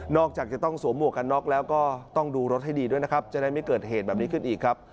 จากจะต้องสวมหวกกันน็อกแล้วก็ต้องดูรถให้ดีด้วยนะครับจะได้ไม่เกิดเหตุแบบนี้ขึ้นอีกครับ